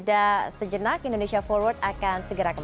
dari dua ribu dua undang undang ke dua ribu sembilan belas